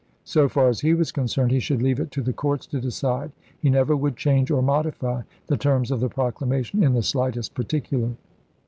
So far as he was concerned, he should leave it to the courts to decide. He never would change or modify the terms of the proclamation in the slightest particular."